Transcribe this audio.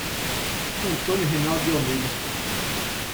Antônio Reinaldo de Almeida